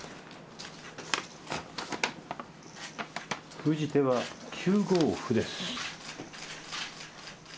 封じ手は９五歩です。